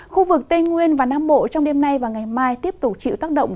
khu vực tây nguyên và nam bộ trong đêm nay và ngày mai tiếp tục chịu tác động